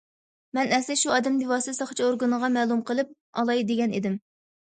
مەن ئەسلى شۇ ئادەمنى بىۋاسىتە ساقچى ئورگىنىغا مەلۇم قىلىپ ئالاي دېگەن ئىدىم.